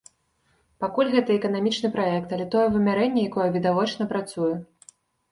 Пакуль гэта эканамічны праект, але тое вымярэнне, якое відавочна працуе.